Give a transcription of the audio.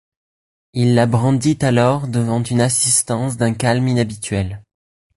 Il la brandit alors devant une assistance d'un calme inhabituel.